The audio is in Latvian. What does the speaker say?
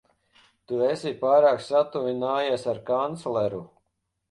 Tu esi pārāk satuvinājies ar kancleru.